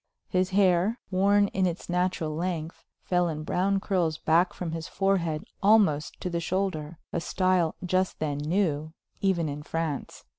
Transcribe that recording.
His hair, worn in its natural length, fell in brown curls back from his forehead almost to the shoulder, a style just then new, even in France.